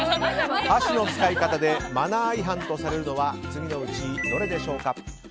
箸の使い方でマナー違反とされるのは次のうちどれでしょうか。